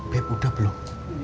beb udah belum